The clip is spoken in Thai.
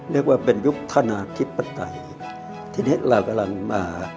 เรียกว่าเป็นยุคธนาธิปไตยทีนี้เรากำลังมา